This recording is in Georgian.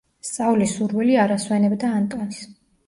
სწავლის სურვილი არ ასვენებდა ანტონს.